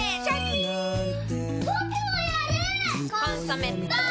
「コンソメ」ポン！